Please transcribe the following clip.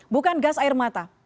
bukan gas air mata